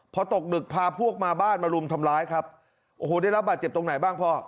พอตกดึกพาพวกมาบ้านมารุมทำร้ายครับโอ้โหได้รับบาดเจ็บตรงไหนบ้างพ่อ